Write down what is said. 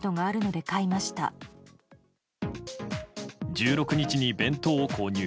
１６日に弁当を購入。